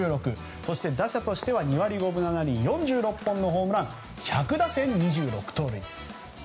そして打者としては２割５分７厘４６本のホームラン１００打点、２６盗塁。